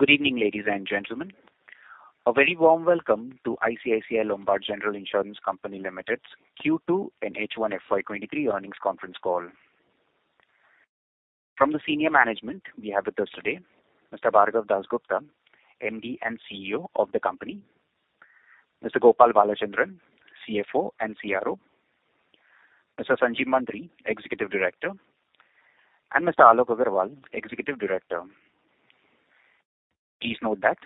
Good evening, ladies and gentlemen. A very warm welcome to ICICI Lombard General Insurance Company Limited's Q2 and H1 FY 2023 earnings conference call. From the senior management, we have with us today Mr. Bhargav Dasgupta, MD and CEO of the company, Mr. Gopal Balachandran, CFO and CRO, Mr. Sanjeev Mantri, executive director, and Mr. Alok Agarwal, executive director. Please note that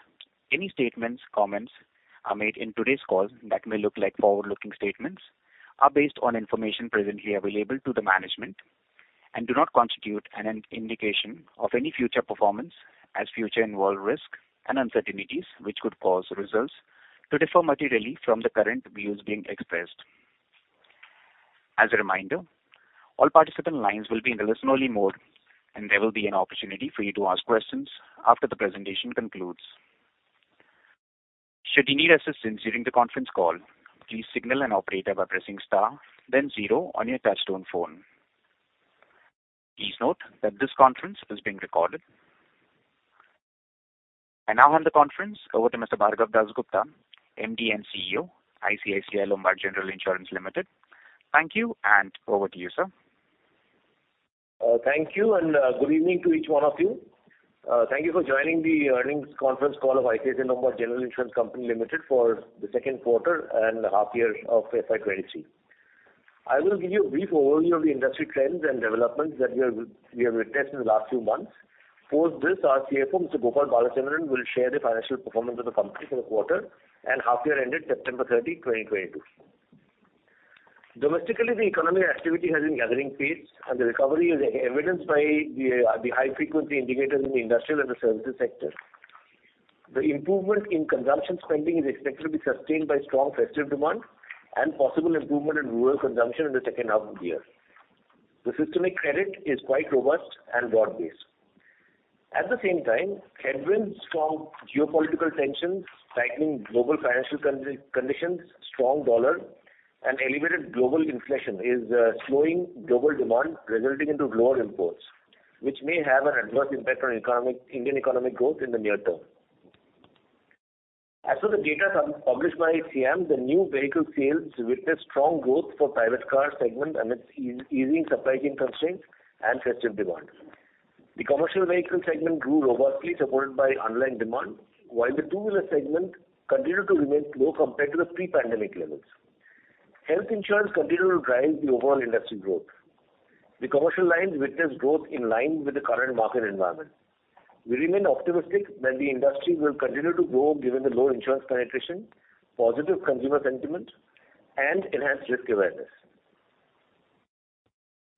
any statements or comments made in today's call that may look like forward-looking statements are based on information presently available to the management and do not constitute an indication of any future performance as the future involves risk and uncertainties, which could cause results to differ materially from the current views being expressed. As a reminder, all participant lines will be in listen-only mode, and there will be an opportunity for you to ask questions after the presentation concludes. Should you need assistance during the conference call, please signal an operator by pressing star then zero on your touchtone phone. Please note that this conference is being recorded. I now hand the conference over to Mr. Bhargav Dasgupta, MD and CEO, ICICI Lombard General Insurance Company Limited. Thank you, and over to you, sir. Thank you, and good evening to each one of you. Thank you for joining the earnings conference call of ICICI Lombard General Insurance Company Limited for the Q2 and half year of FY 2023. I will give you a brief overview of the industry trends and developments that we have witnessed in the last few months. Post this, our CFO, Mr. Gopal Balachandran, will share the financial performance of the company for the quarter and half year ended September 30, 2022. Domestically, the economic activity has been gathering pace and the recovery is evidenced by the high-frequency indicators in the industrial and the services sector. The improvement in consumption spending is expected to be sustained by strong festive demand and possible improvement in rural consumption in the second half of the year. The systemic credit is quite robust and broad-based. At the same time, headwinds from geopolitical tensions, tightening global financial conditions, strong dollar and elevated global inflation is slowing global demand resulting into lower imports, which may have an adverse impact on Indian economic growth in the near term. As for the data published by SIAM, the new vehicle sales witnessed strong growth for private car segment amidst easing supply chain constraints and festive demand. The commercial vehicle segment grew robustly supported by unlagged demand, while the two-wheeler segment continued to remain slow compared to the pre-pandemic levels. Health insurance continued to drive the overall industry growth. The commercial lines witnessed growth in line with the current market environment. We remain optimistic that the industry will continue to grow given the low insurance penetration, positive consumer sentiment and enhanced risk awareness.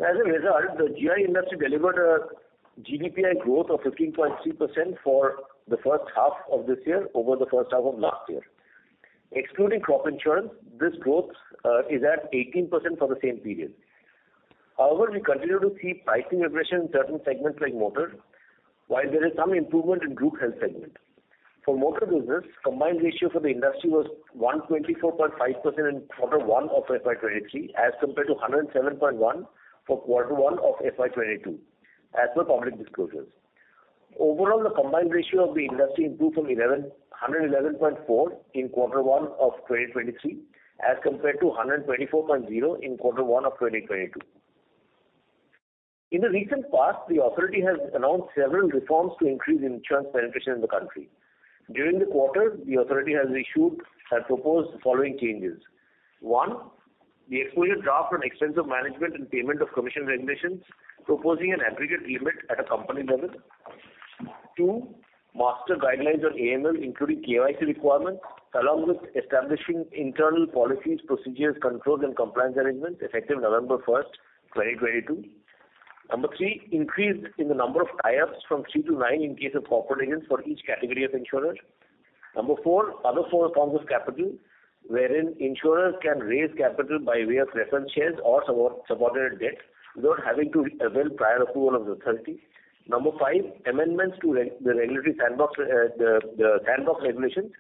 As a result, the GI industry delivered a GDPI growth of 15.3% for the first half of this year over the first half of last year. Excluding crop insurance, this growth is at 18% for the same period. However, we continue to see pricing aggression in certain segments like motor while there is some improvement in group health segment. For motor business, combined ratio for the industry was 124.5% in Q1 of FY 2023 as compared to 107.1 for Q1 of FY 2022 as per public disclosures. Overall, the combined ratio of the industry improved from 111.4 in Q1 of 2023 as compared to 124.0 in Q1 of 2022. In the recent past, the authority has announced several reforms to increase insurance penetration in the country. During the quarter, the authority had proposed the following changes. One, the exposure draft on expense of management and payment of commission regulations proposing an aggregate limit at a company level. Two, master guidelines on AML including KYC requirements along with establishing internal policies, procedures, controls and compliance arrangements effective November 1, 2022. Number three, increase in the number of tie-ups from 3 to 9 in case of corporate agents for each category of insurer. Number four, other four forms of capital wherein insurers can raise capital by way of preference shares or subordinate debt without having to avail prior approval of the authority. Number five, amendments to the Regulatory Sandbox, the sandbox regulations,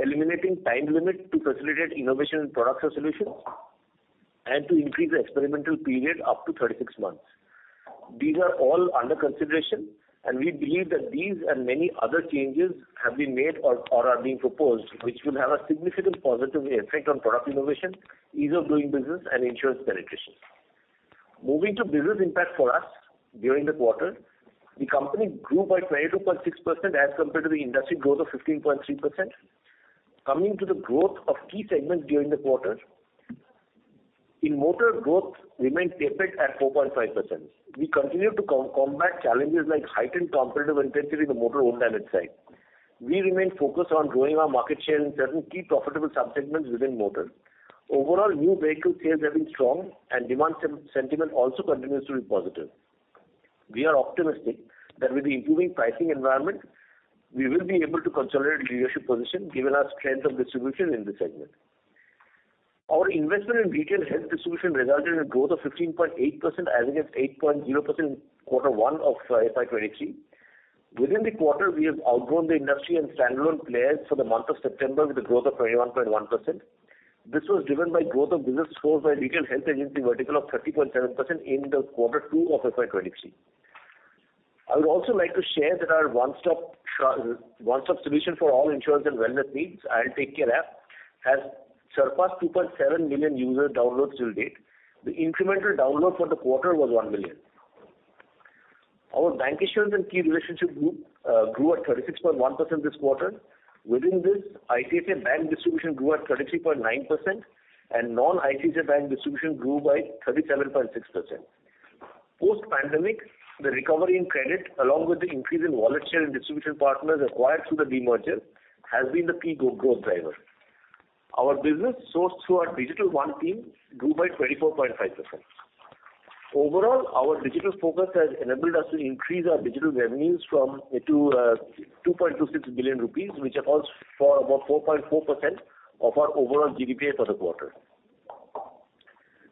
eliminating time limit to facilitate innovation in products or solutions and to increase the experimental period up to 36 months. These are all under consideration, and we believe that these and many other changes have been made or are being proposed, which will have a significant positive effect on product innovation, ease of doing business and insurance penetration. Moving to business impact for us during the quarter. The company grew by 22.6% as compared to the industry growth of 15.3%. Coming to the growth of key segments during the quarter. In motor, growth remained tepid at 4.5%. We continue to combat challenges like heightened competitive intensity in the motor own damage side. We remain focused on growing our market share in certain key profitable subsegments within motor. Overall, new vehicle sales have been strong and demand sentiment also continues to be positive. We are optimistic that with the improving pricing environment, we will be able to consolidate leadership position given our strength of distribution in this segment. Our investment in retail health distribution resulted in a growth of 15.8% as against 8.0% in Q1 of FY 2023. Within the quarter, we have outgrown the industry and standalone players for the month of September with a growth of 21.1%. This was driven by growth of business sourced by retail health agency vertical of 30.7% in the Q2 of FY 2023. I would also like to share that our one-stop solution for all insurance and wellness needs, IL TakeCare app, has surpassed 2.7 million user downloads till date. The incremental download for the quarter was 1 million. Our bank insurance and key relationship group grew at 36.1% this quarter. Within this, ICICI Bank distribution grew at 33.9% and non-ICICI Bank distribution grew by 37.6%. Post-pandemic, the recovery in credit, along with the increase in wallet share and distribution partners acquired through the demerger, has been the key growth driver. Our business sourced through our Digital One team grew by 24.5%. Overall, our digital focus has enabled us to increase our digital revenues to 2.26 billion rupees, which accounts for about 4.4% of our overall GDPI for the quarter.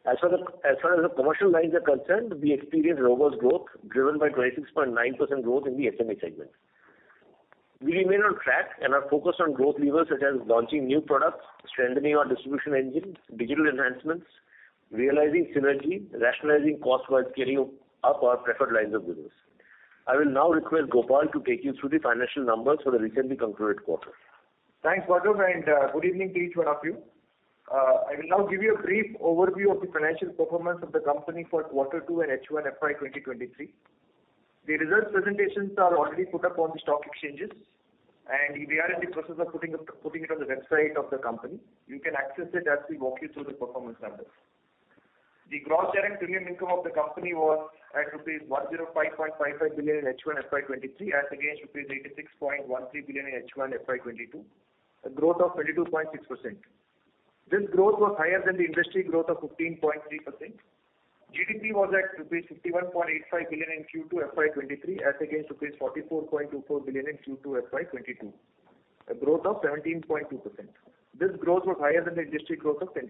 As far as the commercial lines are concerned, we experienced robust growth driven by 26.9% growth in the SME segment. We remain on track and are focused on growth levers such as launching new products, strengthening our distribution engines, digital enhancements, realizing synergy, rationalizing costs while scaling up our preferred lines of business. I will now request Gopal to take you through the financial numbers for the recently concluded quarter. Thanks, Patu, and good evening to each one of you. I will now give you a brief overview of the financial performance of the company for Q2 and H1 FY 2023. The results presentations are already put up on the stock exchanges, and we are in the process of putting it on the website of the company. You can access it as we walk you through the performance numbers. The gross direct premium income of the company was at rupees 105.55 billion in H1 FY 2023 as against rupees 86.13 billion in H1 FY 2022, a growth of 22.6%. This growth was higher than the industry growth of 15.3%. GDP was at rupees 51.85 billion in Q2 FY 2023, as against rupees 44.24 billion in Q2 FY 2022, a growth of 17.2%. This growth was higher than the industry growth of 10%.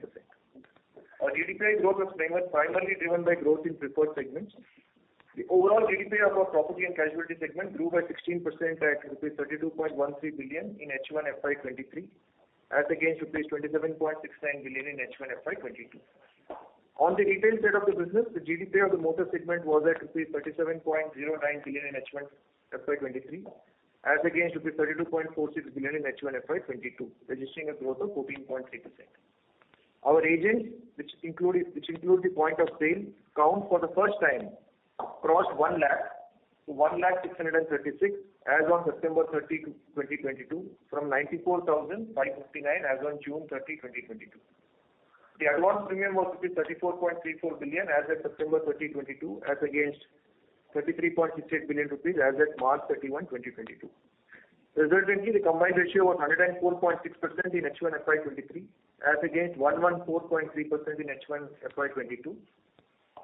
Our GDP growth was primarily driven by growth in preferred segments. The overall GDP of our property and casualty segment grew by 16% at rupees 32.13 billion in H1 FY 2023, as against rupees 27.69 billion in H1 FY 2022. On the retail side of the business, the GDP of the motor segment was at 37.09 billion in H1 FY 2023, as against 32.46 billion in H1 FY 2022, registering a growth of 14.3%. Our agents, which include the point of sale count for the first time crossed 1 lakh to 1,06,036 as on September 30, 2022 from 94,559 as on June 30, 2022. The advance premium was 34.34 billion as of September 30, 2022, as against 33.68 billion rupees as of March 31, 2022. Resultantly, the combined ratio was 104.6% in H1 FY 2023 as against 114.3% in H1 FY 2022.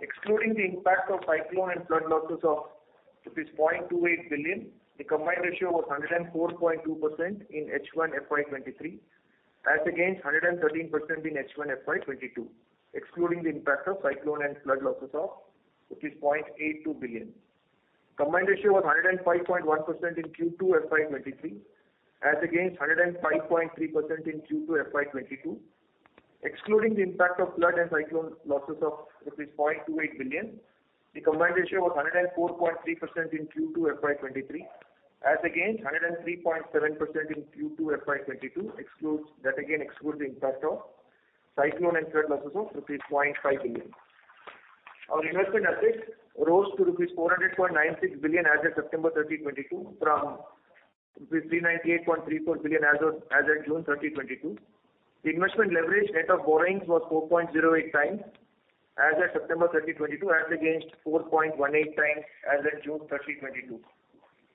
Excluding the impact of cyclone and flood losses of rupees 0.28 billion, the combined ratio was 104.2% in H1 FY 2023, as against 113% in H1 FY 2022, excluding the impact of cyclone and flood losses of rupees 0.82 billion. Combined ratio was 105.1% in Q2 FY 2023, as against 105.3% in Q2 FY 2022. Excluding the impact of flood and cyclone losses of rupees 0.28 billion, the combined ratio was 104.3% in Q2 FY 2023, as against 103.7% in Q2 FY 2022, that again excludes the impact of cyclone and flood losses of rupees 0.5 billion. Our investment assets rose to rupees 400.96 billion as of September 30, 2022 from rupees 398.34 billion as of June 30, 2022. The investment leverage net of borrowings was 4.08 times as of September 30, 2022, as against 4.18 times as of June 30, 2022.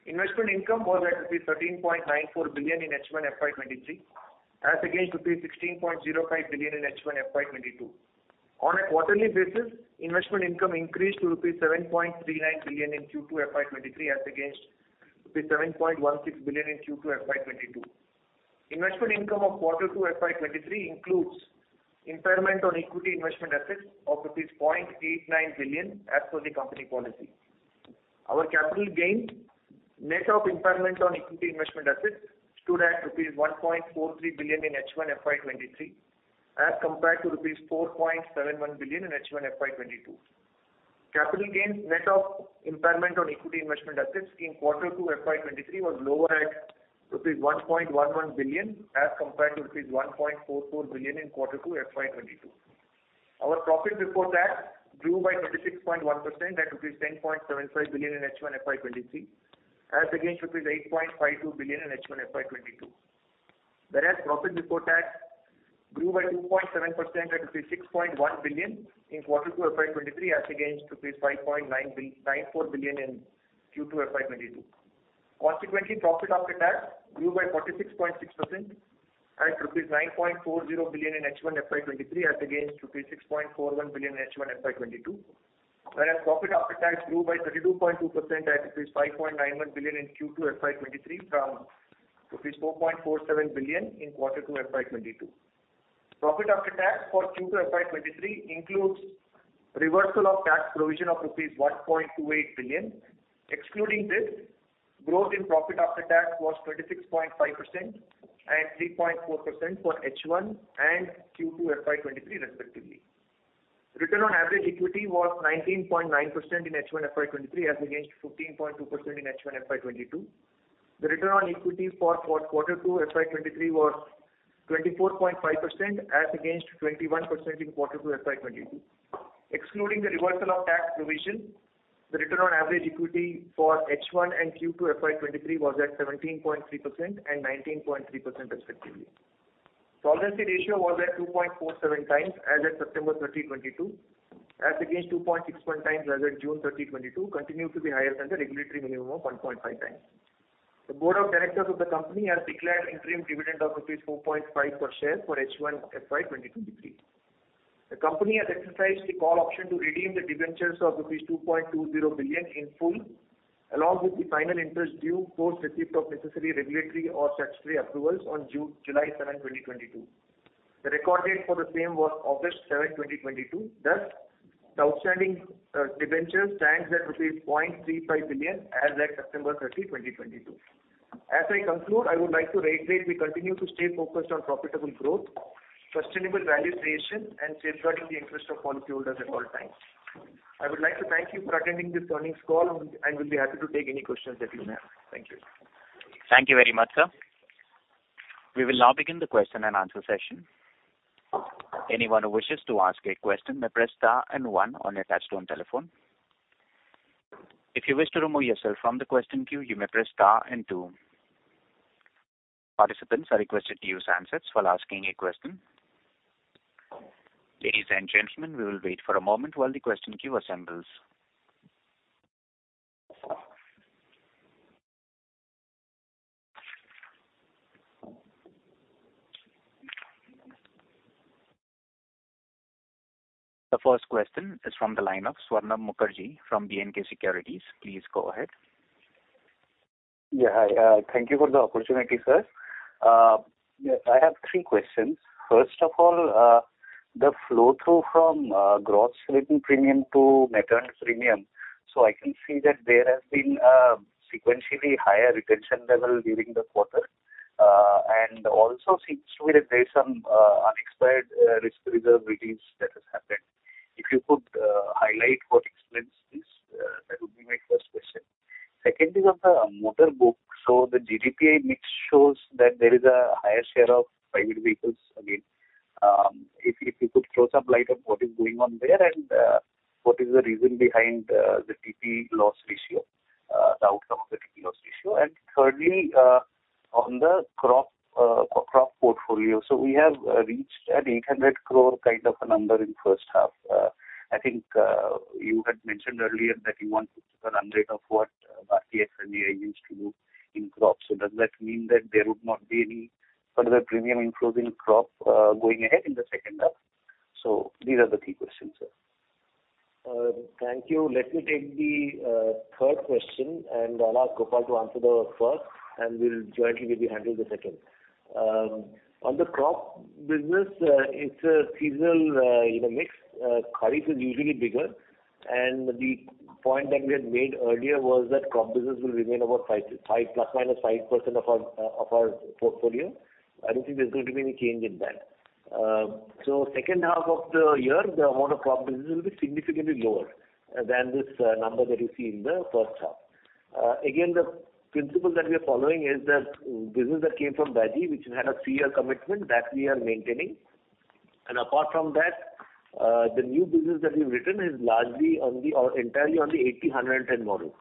Investment income was at rupees 13.94 billion in H1 FY 2023, as against rupees 16.05 billion in H1 FY 2022. On a quarterly basis, investment income increased to rupees 7.39 billion in Q2 FY 2023, as against rupees 7.16 billion in Q2 FY 2022. Investment income of Q2 FY 2023 includes impairment on equity investment assets of 0.89 billion as per the company policy. Our capital gains net of impairment on equity investment assets stood at rupees 1.43 billion in H1 FY 2023 as compared to INR 4.71 billion in H1 FY 2022. Capital gains net of impairment on equity investment assets in Q2 FY 2023 was lower at INR 1.11 billion as compared to INR 1.44 billion in Q2 FY 2022. Our profit before tax grew by 36.1% at 10.75 billion in H1 FY 2023 as against INR 8.52 billion in H1 FY 2022. Whereas profit before tax grew by 2.7% at 6.1 billion in Q2 FY 2023 as against 5.994 billion in Q2 FY 2022. Consequently, profit after tax grew by 46.6% at rupees 9.40 billion in H1 FY 2023 as against rupees 6.41 billion in H1 FY 2022. Whereas profit after tax grew by 32.2% at rupees 5.91 billion in Q2 FY 2023 from rupees 4.47 billion in Q2 FY 2022. Profit after tax for Q2 FY 2023 includes reversal of tax provision of rupees 1.28 billion. Excluding this, growth in profit after tax was 26.5% and 3.4% for H1 and Q2 FY 2023 respectively. Return on average equity was 19.9% in H1 FY 2023 as against 15.2% in H1 FY 2022. The return on equity for Q2 FY 2023 was 24.5% as against 21% in Q2 FY 2022. Excluding the reversal of tax provision, the return on average equity for H1 and Q2 FY 2023 was at 17.3% and 19.3% respectively. Solvency ratio was at 2.47 times as at September 30, 2022, as against 2.61 times as at June 30, 2022, continue to be higher than the regulatory minimum of 1.5 times. The Board of Directors of the company has declared interim dividend of 4.5 per share for H1 FY 2023. The company has exercised the call option to redeem the debentures of 2.20 billion in full, along with the final interest due post receipt of necessary regulatory or statutory approvals on July 7, 2022. The record date for the same was August 7, 2022, thus the outstanding debentures stands at rupees 0.35 billion as at September 30, 2022. As I conclude, I would like to reiterate, we continue to stay focused on profitable growth, sustainable value creation, and safeguarding the interest of policyholders at all times. I would like to thank you for attending this earnings call and I will be happy to take any questions that you may have. Thank you. Thank you very much, sir. We will now begin the question and answer session. Anyone who wishes to ask a question may press star and one on your touchtone telephone. If you wish to remove yourself from the question queue, you may press star and two. Participants are requested to use handsets while asking a question. Ladies and gentlemen, we will wait for a moment while the question queue assembles. The first question is from the line of Swarnabha Mukherjee from B&K Securities. Please go ahead. Yeah, hi. Thank you for the opportunity, sir. Yeah, I have three questions. First of all, the flow through from gross written premium to net earned premium. I can see that there has been sequentially higher retention level during the quarter, and also seems to be that there is some unexpired risk reserve release that has happened. If you could highlight what explains this, that would be my first question. Second is on the motor book. The GDPI mix shows that there is a higher share of private vehicles again. If you could throw some light on what is going on there and what is the reason behind the TP loss ratio, the outcome of the TP loss ratio. And thirdly, on the crop portfolio. We have reached 800 crore kind of a number in first half. I think you had mentioned earlier that you want to keep a run rate of what Bharti AXA used to do in crops. Does that mean that there would not be any further premium improvement in crop going ahead in the second half? These are the three questions, sir. Thank you. Let me take the third question, and I'll ask Gopal to answer the first, and we'll jointly maybe handle the second. On the crop business, it's a seasonal, you know, mix. Kharif is usually bigger, and the point that we had made earlier was that crop business will remain about 5 ± 5% of our portfolio. I don't think there's going to be any change in that. Second half of the year, the amount of crop business will be significantly lower than this number that you see in the first half. Again, the principle that we are following is that business that came from Bharti, which had a three-year commitment, that we are maintaining. Apart from that, the new business that we've written is largely on the, or entirely on the 80:110 model.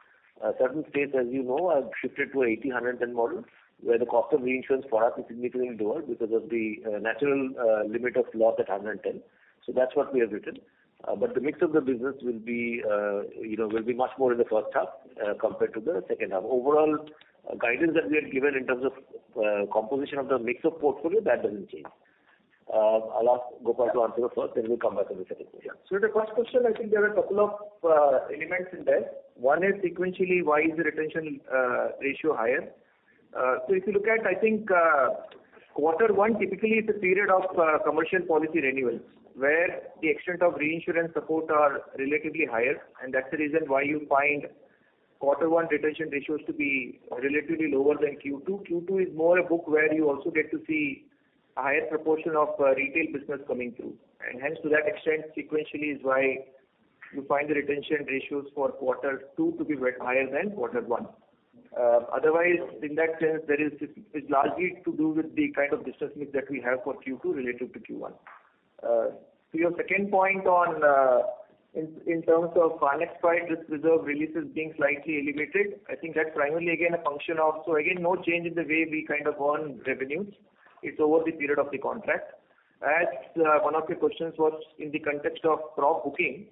Certain states, as you know, have shifted to a 80:110 model, where the cost of reinsurance for us is significantly lower because of the natural limit of loss at 110. That's what we have written. But the mix of the business will be, you know, will be much more in the first half, compared to the second half. Overall guidance that we have given in terms of composition of the mix of portfolio, that doesn't change. I'll ask Gopal to answer the first, then we'll come back to the second question. Yeah. The first question, I think there are a couple of elements in there. One is sequentially why is the retention ratio higher? So if you look at, I think, Q1 typically is a period of commercial policy renewals, where the extent of reinsurance support are relatively higher. That's the reason why you find Q1 retention ratios to be relatively lower than Q two. Q two is more a book where you also get to see a higher proportion of retail business coming through. Hence, to that extent, sequentially is why you find the retention ratios for Q2 to be higher than Q1. Otherwise, in that sense, there is. It's largely to do with the kind of business mix that we have for Q2 relative to Q1 To your second point on in terms of unexpired risk reserve releases being slightly elevated, I think that's primarily again a function of. So again, no change in the way we kind of earn revenues. It's over the period of the contract. One of your questions was in the context of crop booking,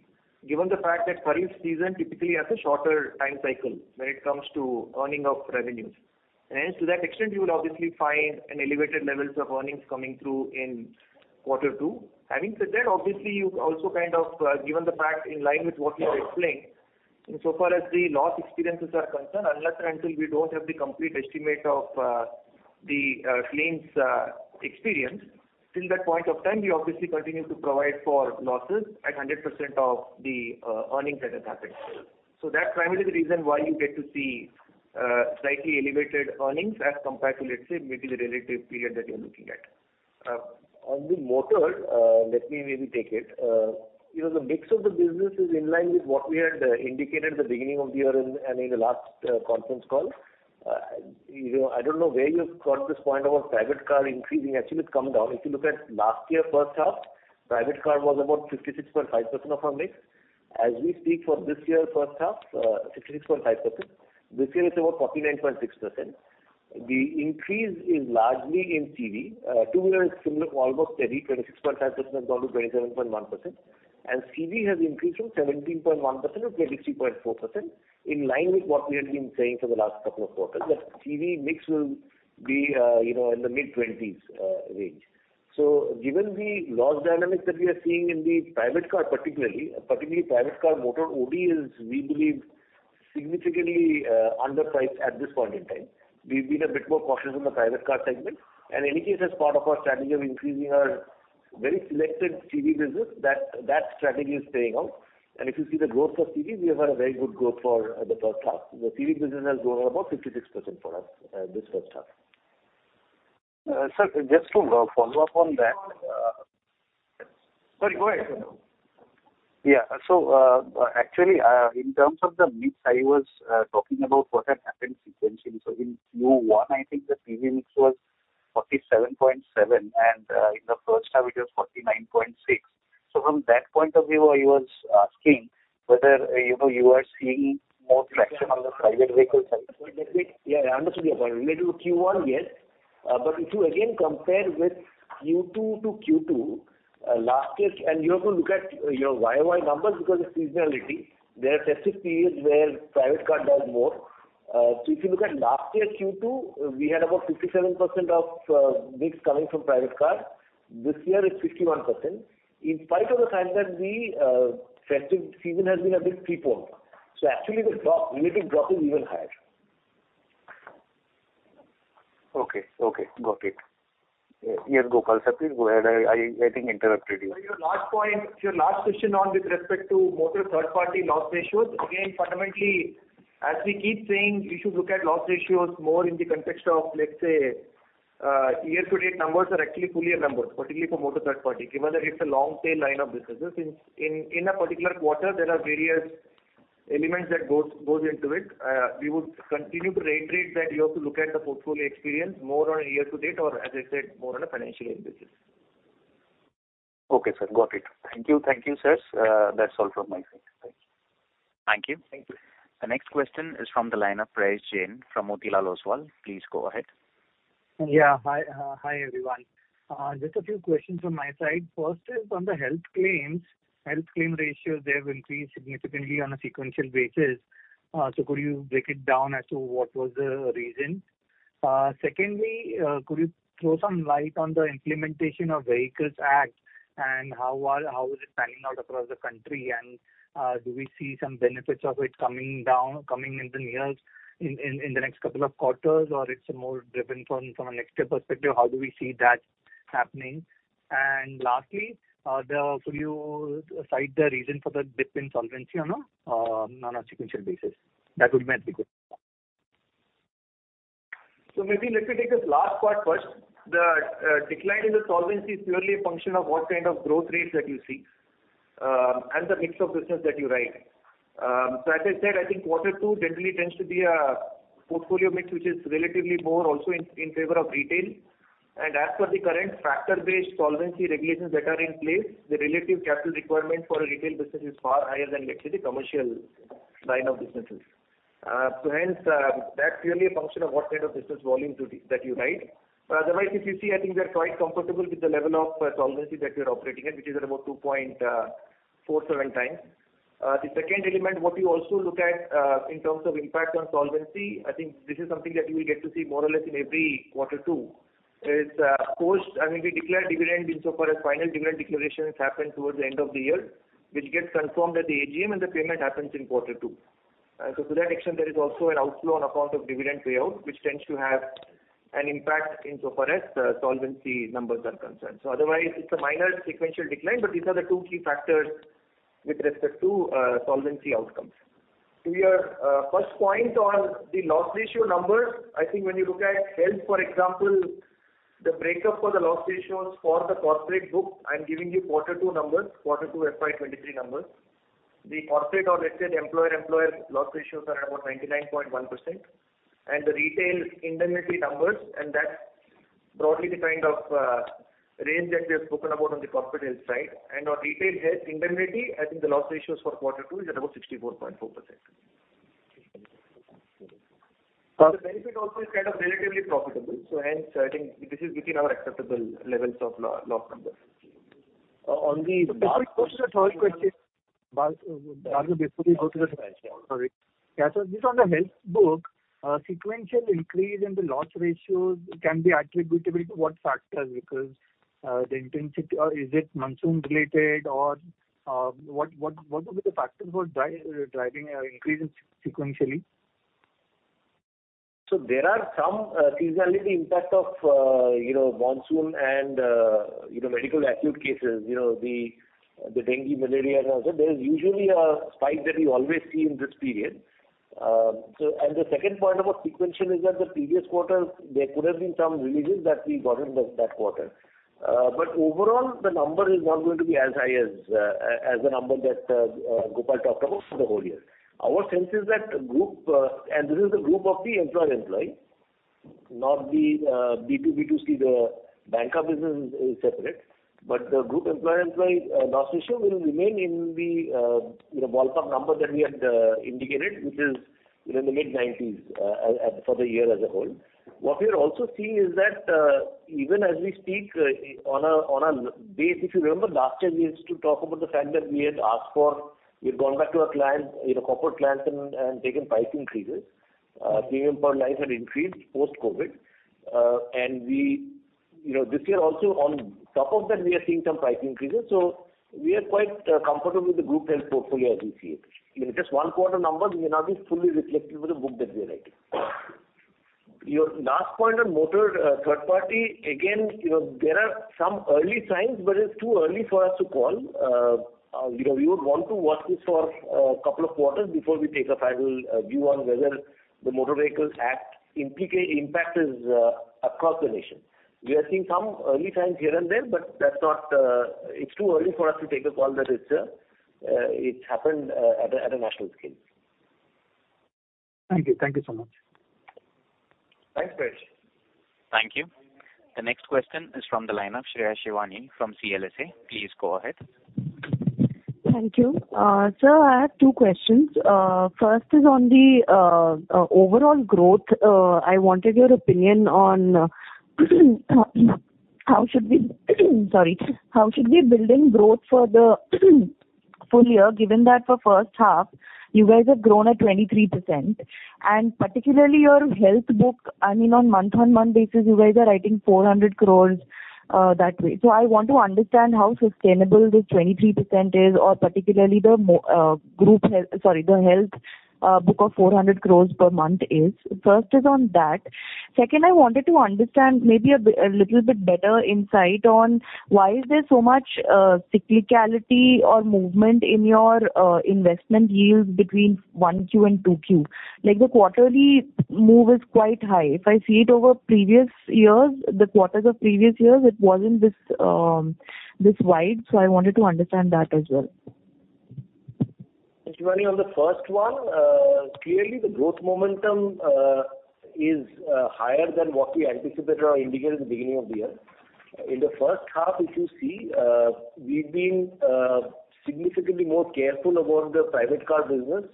given the fact that kharif season typically has a shorter time cycle when it comes to earning of revenues. To that extent, you would obviously find elevated levels of earnings coming through in Q2. Having said that, obviously you also kind of given the fact in line with what we were explaining, insofar as the loss experiences are concerned, unless and until we don't have the complete estimate of the claims experience till that point of time, we obviously continue to provide for losses at 100% of the earnings that has happened. That's primarily the reason why you get to see slightly elevated earnings as compared to, let's say, maybe the relative period that you're looking at. On the motor, let me maybe take it. You know, the mix of the business is in line with what we had indicated at the beginning of the year and in the last conference call. You know, I don't know where you've got this point about private car increasing. Actually, it's come down. If you look at last year first half, private car was about 56.5% of our mix. As we speak for this year first half, 56.5%. This year it's about 49.6%. The increase is largely in CV. Two-wheeler is similar, almost steady, 26.5% has gone to 27.1%. CV has increased from 17.1% to 33.4%, in line with what we have been saying for the last couple of quarters, that CV mix will be, you know, in the mid-twenties range. Given the loss dynamics that we are seeing in the private car particularly, private car motor OD is, we believe, significantly underpriced at this point in time. We've been a bit more cautious on the private car segment, and in any case as part of our strategy of increasing our very selected CV business, that strategy is paying out. If you see the growth of CV, we have had a very good growth for the first half. The CV business has grown about 56% for us, this first half. Sir, just to follow up on that, Sorry, go ahead. Actually, in terms of the mix I was talking about what had happened sequentially. In Q1, I think the CV mix was 47.7%, and in the first half it was 49.6%. From that point of view, I was asking whether, you know, you are seeing more traction on the private vehicle side. Yeah, I understand your point. Related to Q1, yes. If you again compare with Q2 to Q2 last year, you have to look at your year-over-year numbers because of seasonality. There are festive periods where private car does more. If you look at last year Q2, we had about 57% of mix coming from private car. This year it's 51%, in spite of the fact that the festive season has been a bit preponed. Actually the drop, relative drop is even higher. Okay. Got it. Yes, Gopal sir, please go ahead. I think I interrupted you. Your last point, your last question on with respect to motor third party loss ratios, again, fundamentally, as we keep saying, you should look at loss ratios more in the context of, let's say, year to date numbers are actually full year numbers, particularly for motor third party, given that it's a long tail line of businesses. In a particular quarter, there are various elements that goes into it. We would continue to reiterate that you have to look at the portfolio experience more on a year to date or as I said, more on a financial year basis. Okay, sir. Got it. Thank you. Thank you, sirs. That's all from my side. Thank you. Thank you. Thank you. The next question is from the line of Prayesh Jain from Motilal Oswal. Please go ahead. Hi, hi everyone. Just a few questions from my side. First is on the health claims. Health claim ratios, they have increased significantly on a sequential basis. So could you break it down as to what was the reason? Secondly, could you throw some light on the implementation of Motor Vehicles Act and how is it panning out across the country? Do we see some benefits of it coming down, coming in the near, in the next couple of quarters or it's more driven from a next year perspective? How do we see that happening? Lastly, could you cite the reason for the dip in solvency on a sequential basis? That would be helpful. Maybe let me take this last part first. The decline in the solvency is purely a function of what kind of growth rates that you see, and the mix of business that you write. As I said, I think Q2 generally tends to be a portfolio mix, which is relatively more also in favor of retail. As per the current factor-based solvency regulations that are in place, the relative capital requirement for a retail business is far higher than let's say the commercial line of businesses. Hence, that's really a function of what kind of business volumes that you write. Otherwise, if you see, I think we are quite comfortable with the level of solvency that we're operating at, which is at about 2.47 times. The second element, what you also look at, in terms of impact on solvency, I think this is something that you will get to see more or less in every Q2, is post, I mean, we declare dividend insofar as final dividend declaration has happened towards the end of the year, which gets confirmed at the AGM and the payment happens in Q2. To that extent, there is also an outflow on account of dividend payout, which tends to have an impact insofar as the solvency numbers are concerned. Otherwise it's a minor sequential decline, but these are the two key factors with respect to solvency outcomes. To your first point on the loss ratio numbers, I think when you look at health, for example, the breakup for the loss ratios for the corporate book, I'm giving you Q2 numbers, Q2 FY 2023 numbers. The corporate or let's say employer-employer loss ratios are about 99.1%. The retail indemnity numbers, and that's broadly the kind of range that we have spoken about on the corporate health side. On retail health indemnity, I think the loss ratios for Q2 is at about 64.4%. The benefit also is kind of relatively profitable, so hence I think this is within our acceptable levels of loss numbers. On the last. Before you go to the third question. Just on the health book, sequential increase in the loss ratios can be attributable to what factors? Because, the intensity or is it monsoon related or, what would be the factors for driving an increase sequentially? There are some seasonality impact of you know monsoon and you know medical acute cases. You know the dengue malaria as well. There is usually a spike that we always see in this period. The second point about sequential is that the previous quarter there could have been some releases that we got in that quarter. But overall the number is not going to be as high as the number that Gopal talked about for the whole year. Our sense is that group and this is the group of the employer employee, not the B2B2C, the Banca business is separate, but the group employer employee loss ratio will remain in the you know ballpark number that we had indicated, which is you know in the mid-90s% for the year as a whole. What we are also seeing is that even as we speak on a base, if you remember last year we used to talk about the fact that we had asked for, we had gone back to our clients, you know, corporate clients and taken price increases. Premium per life had increased post-COVID. We, you know, this year also on top of that we are seeing some price increases, so we are quite comfortable with the group health portfolio as we see it. You know, just one quarter number may not be fully reflective of the book that we are writing. Your last point on motor third party, again, you know, there are some early signs, but it's too early for us to call. You know, we would want to watch this for a couple of quarters before we take a final view on whether the Motor Vehicles Act impacts is across the nation. We are seeing some early signs here and there, but that's not, it's too early for us to take a call that it's happened at a national scale. Thank you. Thank you so much. Thanks, Prayesh. Thank you. The next question is from the line of Shreya Shivani from CLSA. Please go ahead. Thank you. Sir, I have two questions. First is on the overall growth. I wanted your opinion on how should we build in growth for the full year, given that for first half you guys have grown at 23% and particularly your health book, I mean on month-on-month basis you guys are writing 400 crores that way. I want to understand how sustainable this 23% is or particularly the group health, sorry, the health book of 400 crores per month is. First is on that. Second, I wanted to understand maybe a little bit better insight on why is there so much cyclicality or movement in your investment yields between Q1 and Q2. Like, the quarterly move is quite high. If I see it over previous years, the quarters of previous years, it wasn't this wide, so I wanted to understand that as well. Thank you, Shivani. On the first one, clearly the growth momentum is higher than what we anticipated or indicated at the beginning of the year. In the first half, if you see, we've been significantly more careful about the private car business.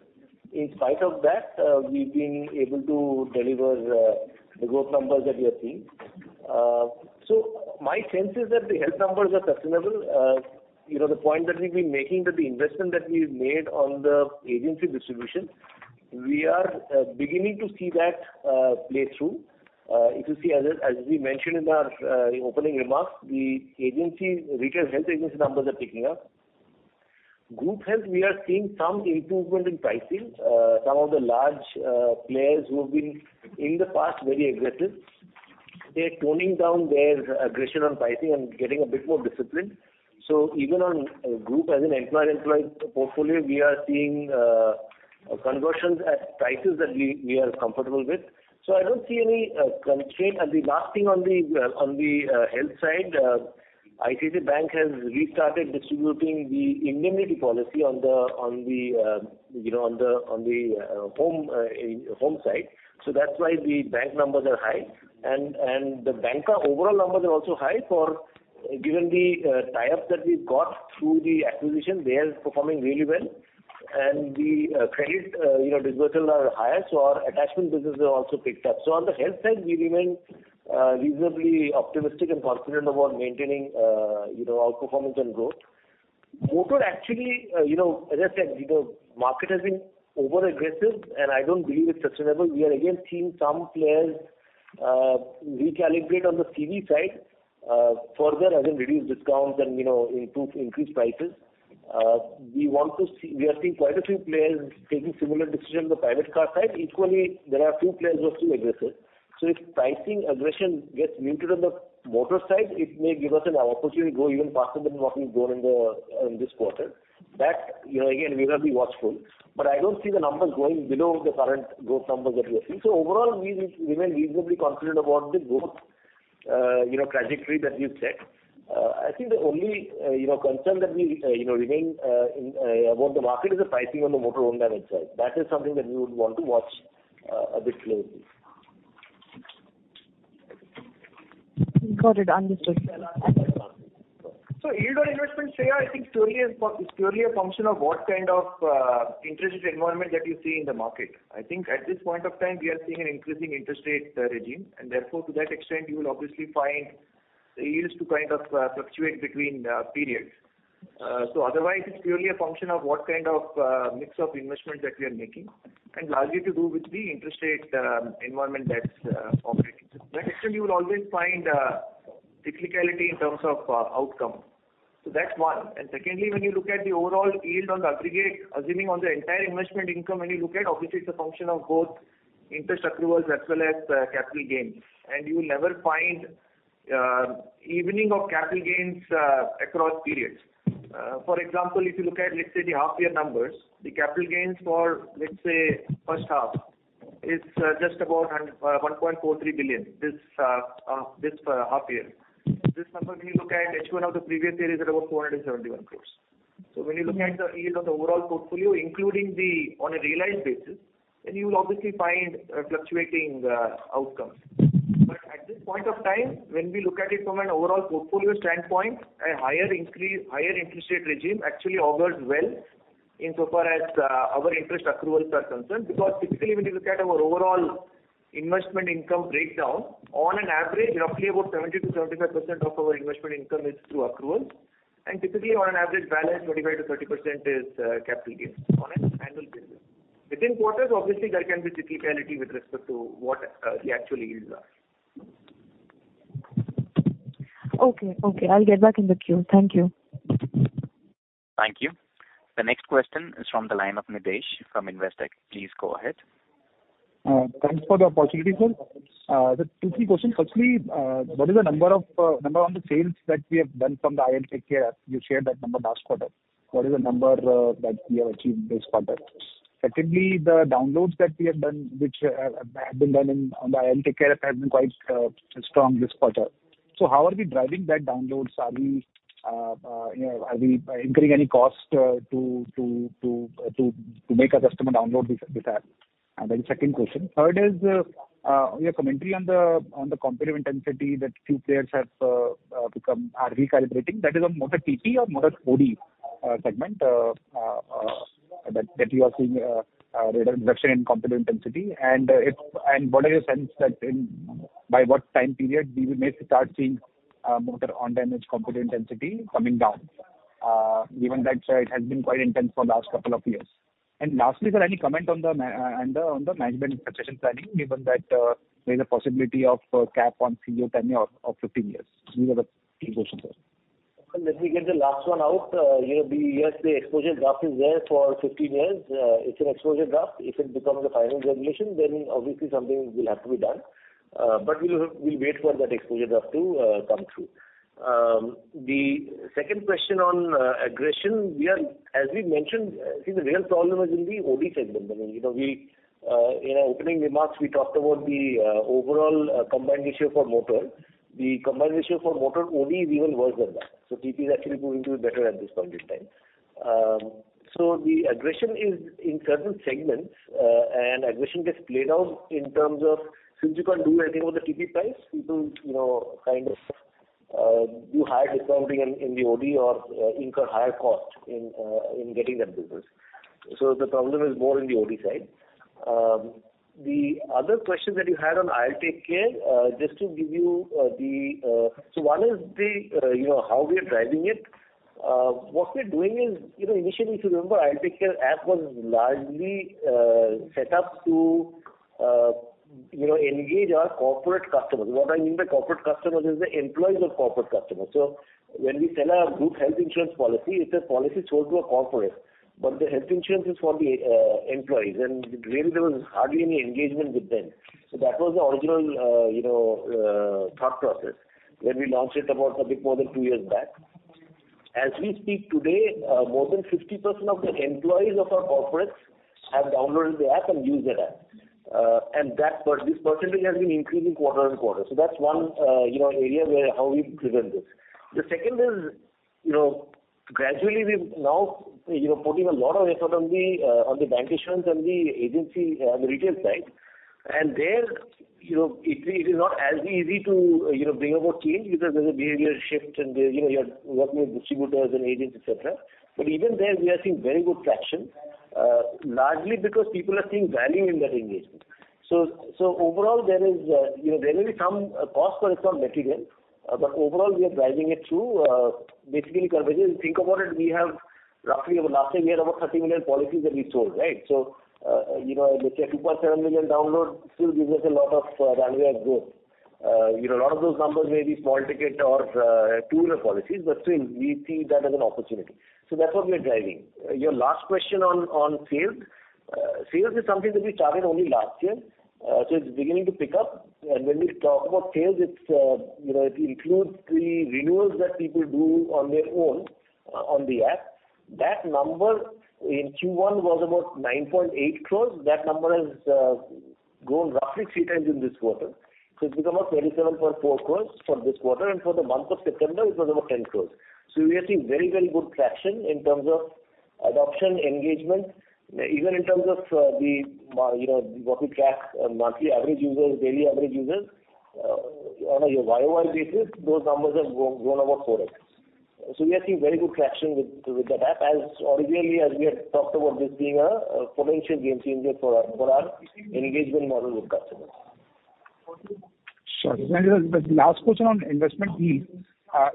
In spite of that, we've been able to deliver the growth numbers that we are seeing. My sense is that the health numbers are sustainable. You know the point that we've been making that the investment that we've made on the agency distribution, we are beginning to see that play through. If you see as we mentioned in our opening remarks, the agency, retail health agency numbers are ticking up. Group Health, we are seeing some improvement in pricing. Some of the large players who have been in the past very aggressive, they are toning down their aggression on pricing and getting a bit more disciplined. Even on a group as an employer employee portfolio, we are seeing conversions at prices that we are comfortable with. I don't see any constraint. The last thing on the health side, ICICI Bank has restarted distributing the indemnity policy on the, you know, on the home side. That's why the bank numbers are high. The banca overall numbers are also high given the tie-ups that we've got through the acquisition they are performing really well. The credit, you know, disbursal are higher, so our attachment business has also picked up. On the health side we remain, reasonably optimistic and confident about maintaining, you know, outperformance and growth. Motor actually, you know, as I said, you know, market has been overaggressive and I don't believe it's sustainable. We are again seeing some players, recalibrate on the CV side, further, as in reduce discounts and you know, improve, increase prices. We are seeing quite a few players taking similar decisions on the private car side. Equally, there are a few players who are still aggressive. If pricing aggression gets muted on the motor side, it may give us an opportunity to grow even faster than what we've grown in this quarter. That, you know, again, we will be watchful, but I don't see the numbers going below the current growth numbers that we are seeing. Overall we remain reasonably confident about the growth, you know, trajectory that we've set. I think the only, you know, concern that remains about the market is the pricing on the motor own damage side. That is something that we would want to watch a bit closely. Got it. Understood. Yield on investments, Shreya, I think it's purely a function of what kind of interest environment that you see in the market. I think at this point of time we are seeing an increasing interest rate regime and therefore to that extent you will obviously find the yields to kind of fluctuate between periods. Otherwise it's purely a function of what kind of mix of investments that we are making and largely to do with the interest rate environment that's operating. Actually, you will always find cyclicality in terms of outcome. That's one. And secondly, when you look at the overall yield on the aggregate, assuming on the entire investment income when you look at, obviously it's a function of both interest accruals as well as capital gains. You will never find evening out of capital gains across periods. For example, if you look at, let's say, the half year numbers, the capital gains for, let's say, first half is just about 1.43 billion this half year. This number, when you look at H1 of the previous year is at about 471 crores. When you look at the yield of the overall portfolio, including on a realized basis, then you will obviously find fluctuating outcomes. At this point of time, when we look at it from an overall portfolio standpoint, a higher interest rate regime actually augurs well insofar as our interest accruals are concerned. Because typically when you look at our overall investment income breakdown, on an average, roughly about 70%-75% of our investment income is through accruals. Typically on an average balance, 25%-30% is capital gains on an annual basis. Within quarters, obviously, there can be cyclicality with respect to what the actual yields are. Okay. Okay. I'll get back in the queue. Thank you. Thank you. The next question is from the line of Nidhesh Jain from Investec. Please go ahead. Thanks for the opportunity, sir. There are two, three questions. Firstly, what is the number of sales that we have done from the IL TakeCare app? You shared that number last quarter. What is the number that we have achieved this quarter? Secondly, the downloads that we have done which have been done on the IL TakeCare app have been quite strong this quarter. How are we driving that downloads? You know, are we incurring any cost to make a customer download this app? That is second question. Third is your commentary on the competitive intensity that few players have become are recalibrating. That is a motor TP or motor OD segment that you are seeing reduction in competitive intensity. What is your sense that in by what time period we may start seeing motor own damage competitive intensity coming down? Given that it has been quite intense for the last couple of years. Lastly, sir, any comment on the management succession planning, given that there's a possibility of cap on CEO tenure of 15 years. These are the three questions, sir. Well, let me get the last one out. You know, the exposure draft is there for 15 years. It's an exposure draft. If it becomes the final regulation, then obviously something will have to be done. We'll wait for that exposure draft to come through. The second question on aggression, as we mentioned, the real problem is in the OD segment. I mean, you know, in our opening remarks, we talked about the overall combined ratio for motor. The combined ratio for motor OD is even worse than that. TP is actually going to be better at this point in time. The aggression is in certain segments, and aggression gets played out in terms of since you can't do anything with the TP price, people, you know, kind of, do higher discounting in the OD or, incur higher cost in getting that business. The problem is more in the OD side. The other question that you had on IL TakeCare, just to give you, the... One is the, you know, how we are driving it. What we're doing is, you know, initially, if you remember, IL TakeCare app was largely, set up to, you know, engage our corporate customers. What I mean by corporate customers is the employees of corporate customers. When we sell a group health insurance policy, it's a policy sold to a corporate, but the health insurance is for the employees, and really there was hardly any engagement with them. That was the original, you know, thought process when we launched it about a bit more than two years back. As we speak today, more than 50% of the employees of our corporates have downloaded the app and used that app. This percentage has been increasing quarter-over-quarter. That's one, you know, area where how we've driven this. The second is, you know, gradually we've now, you know, putting a lot of effort on the banca and the agency, the retail side. There, you know, it is not as easy to, you know, bring about change because there's a behavioral shift and there's, you know, you're working with distributors and agents, et cetera. Even there, we are seeing very good traction largely because people are seeing value in that engagement. Overall there may be some cost, but it's not material. Overall, we are driving it through basically coverage. If you think about it, we have roughly over last 10 year, about 30 million policies that we've sold, right? Let's say 2.7 million downloads still gives us a lot of runway of growth. You know, a lot of those numbers may be small ticket or two-year policies, but still we see that as an opportunity. That's what we are driving. Your last question on sales. Sales is something that we started only last year. It's beginning to pick up. When we talk about sales, it's, you know, it includes the renewals that people do on their own, on the app. That number in Q1 was about 9.8 crore. That number has grown roughly three times in this quarter. It's become 37.4 crore for this quarter. For the month of September, it was about 10 crore. We are seeing very, very good traction in terms of adoption, engagement. Even in terms of, you know, what we track, monthly average users, daily average users, on a year-over-year basis, those numbers have grown about 4x. We are seeing very good traction with that app as originally as we had talked about this being a potential game changer for our engagement model with customers. Sure. The last question on investment yield,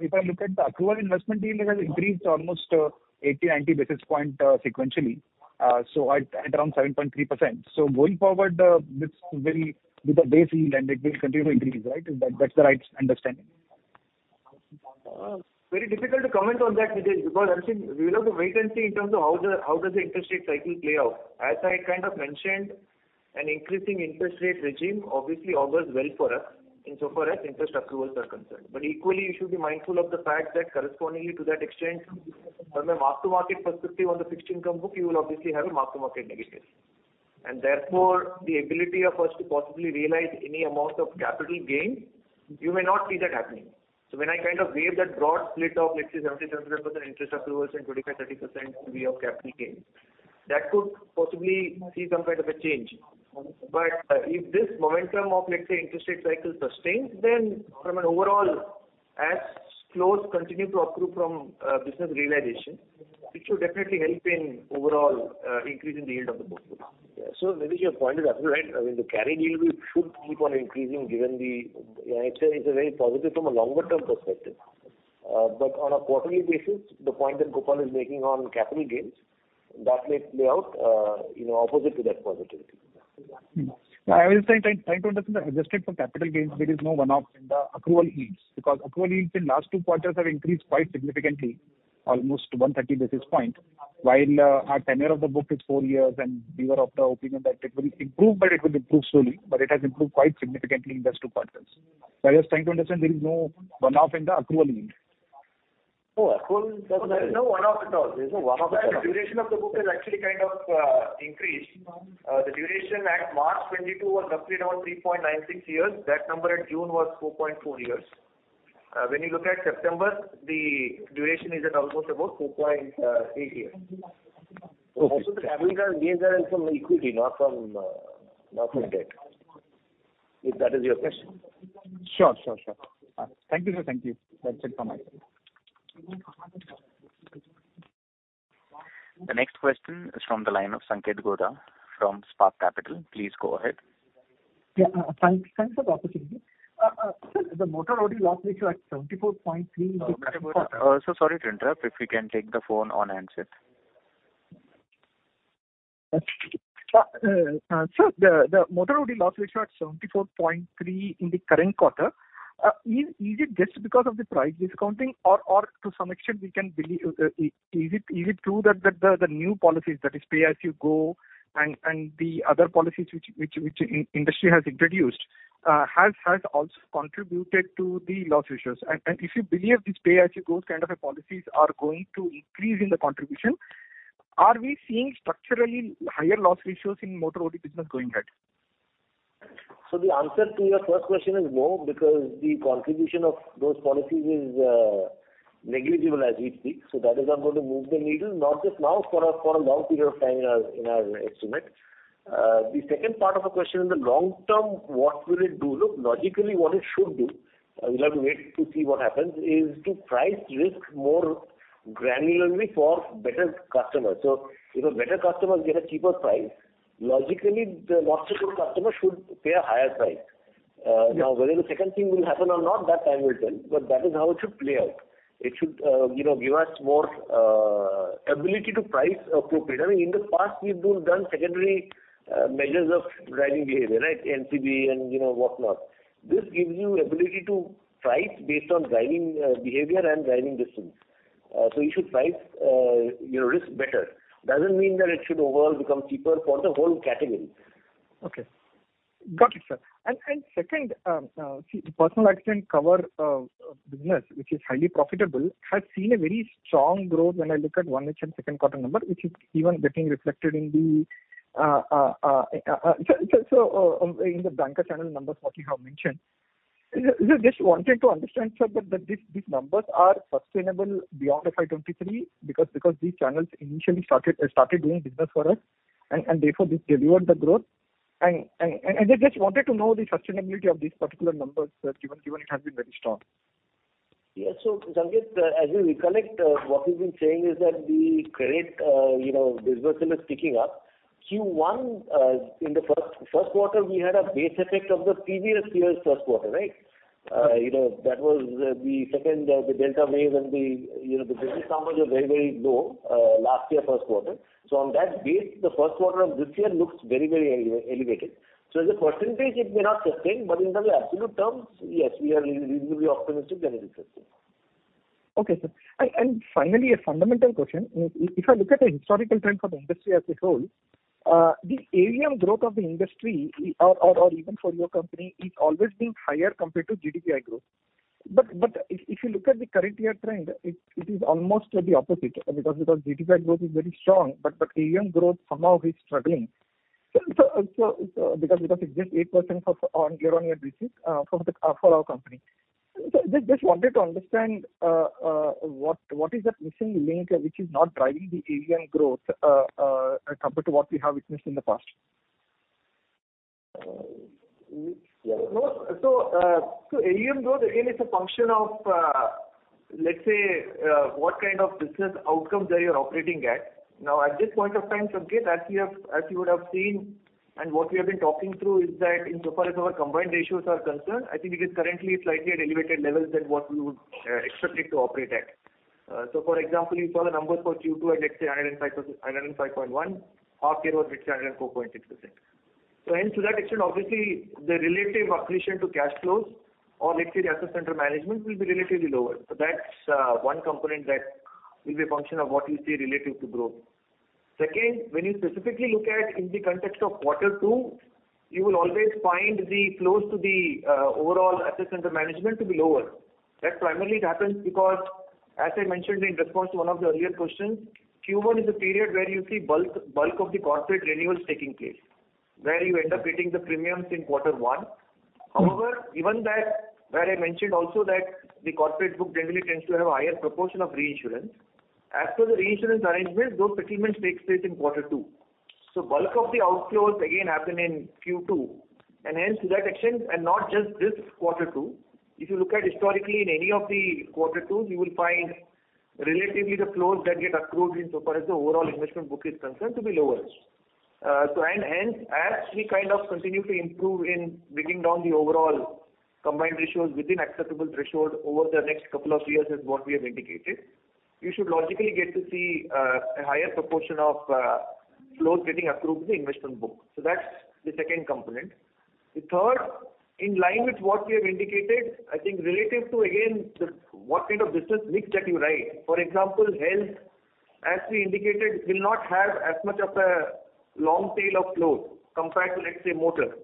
if I look at the accrual investment yield, it has increased almost 80-90 basis points sequentially, so at around 7.3%. Going forward, this will be the base yield and it will continue to increase, right? That's the right understanding? Very difficult to comment on that, Vijay, because I think we will have to wait and see in terms of how does the interest rate cycle play out. As I kind of mentioned, an increasing interest rate regime obviously augurs well for us insofar as interest accruals are concerned. Equally, you should be mindful of the fact that correspondingly to that exchange from a mark-to-market perspective on the fixed income book, you will obviously have a mark-to-market negative. Therefore, the ability of us to possibly realize any amount of capital gain, you may not see that happening. When I kind of gave that broad split of let's say 70% interest accruals and 25-30% will be of capital gains, that could possibly see some kind of a change. If this momentum of, let's say, interest rate cycle sustains, then from an overall, inflows continue to accrue from business realization, it should definitely help in overall increasing the yield of the book. Yeah. Maybe your point is absolutely right. I mean, the carry yield should keep on increasing given the. It's very positive from a longer-term perspective. On a quarterly basis, the point that Gopal is making on capital gains, that may play out, you know, opposite to that positivity. Mm-hmm. I was trying to understand, adjusted for capital gains, there is no one-off in the accrual yields. Because accrual yields in last two quarters have increased quite significantly, almost 130 basis points. While our tenure of the book is four years, and we were of the opinion that it will improve, but it will improve slowly, but it has improved quite significantly in those two quarters. I was trying to understand there is no one-off in the accrual yield. No accrual. There's no one-off at all. The duration of the book has actually kind of increased. The duration at March 2022 was roughly around 3.96 years. That number at June was 4.4 years. When you look at September, the duration is at almost about 4.3 years. Okay. The capital gains are from equity, not from debt. If that is your question. Sure. Thank you, sir. Thank you. That's it from my side. The next question is from the line of Sanket Godha from Spark Capital. Please go ahead. Thanks for the opportunity. Sir, the motor OD loss ratio at 74.3%. Sir, sorry to interrupt. If you can take the phone on handset. Sir, the motor OD loss ratio at 74.3% in the current quarter, is it just because of the price discounting or to some extent we can believe, is it true that the new policies that is Pay as You Go and the other policies which the industry has introduced, has also contributed to the loss ratios? If you believe this Pay as You Go kind of a policies are going to increase in the contribution, are we seeing structurally higher loss ratios in motor OD business going ahead? The answer to your first question is no, because the contribution of those policies is negligible as we speak, so that is not going to move the needle, not just now, for a long period of time in our estimate. The second part of the question, in the long term, what will it do? Look, logically, what it should do, we'll have to wait to see what happens, is to price risk more granularly for better customers. So if a better customer get a cheaper price, logically the loss of good customer should pay a higher price. Now whether the second thing will happen or not, that time will tell, but that is how it should play out. It should, you know, give us more ability to price appropriately. I mean, in the past we've done secondary measures of driving behavior, right? NCB and, you know, whatnot. This gives you ability to price based on driving behavior and driving distance. You should price your risk better. Doesn't mean that it should overall become cheaper for the whole category. Okay. Got it, sir. Second, the personal accident cover business, which is highly profitable, has seen a very strong growth when I look at 1 and Q2 number, which is even getting reflected in the banca channel numbers what you have mentioned. I just wanted to understand, sir, that these numbers are sustainable beyond FY 2023 because these channels initially started doing business for us and I just wanted to know the sustainability of these particular numbers given it has been very strong. Yeah. Sanket, as you recollect, what we've been saying is that the credit, you know, dispersal is picking up. Q1, in the Q1, we had a base effect of the previous year's Q1, right? You know, that was the second wave, the Delta wave and the, you know, the business numbers were very, very low last year Q1. On that base, the Q1 of this year looks very, very elevated. As a percentage it may not sustain, but in terms of absolute terms, yes, we are reasonably optimistic that it is sustainable. Okay, sir. Finally, a fundamental question. If I look at the historical trend for the industry as a whole, the AUM growth of the industry or even for your company is always been higher compared to GDPI growth. If you look at the current year trend, it is almost the opposite because GDPI growth is very strong, but AUM growth somehow is struggling. Because it's just 8% on year-on-year basis for our company. Just wanted to understand what is that missing link which is not driving the AUM growth compared to what we have witnessed in the past? AUM growth again is a function of, let's say, what kind of business outcomes are you operating at. Now, at this point of time, Sanket, as you would have seen. What we have been talking through is that insofar as our combined ratios are concerned, I think it is currently slightly at elevated levels than what we would expect it to operate at. For example, you saw the numbers for Q2 at 105% – 105.1. Half year was 104.6%. Hence, to that extent, obviously the relative accretion to cash flows or let's say the assets under management will be relatively lower. That's one component that will be a function of what you see relative to growth. Second, when you specifically look at in the context of Q2, you will always find the flows to the overall assets under management to be lower. That primarily it happens because as I mentioned in response to one of the earlier questions, Q1 is a period where you see bulk of the corporate renewals taking place, where you end up getting the premiums in Q1. However, given that where I mentioned also that the corporate book generally tends to have a higher proportion of reinsurance. As per the reinsurance arrangements, those settlements takes place in Q2. Bulk of the outflows again happen in Q2. Hence, to that extent, and not just this Q2, if you look at historically in any of the Q2s you will find relatively the flows that get accrued insofar as the overall investment book is concerned to be lower. So, as we kind of continue to improve in bringing down the overall combined ratios within acceptable threshold over the next couple of years is what we have indicated, you should logically get to see a higher proportion of flows getting accrued in the investment book. That's the second component. The third, in line with what we have indicated, I think relative to again the what kind of business mix that you write. For example, health as we indicated will not have as much of a long tail of flows compared to, let's say, motor.